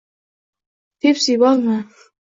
- Pepsi bormi?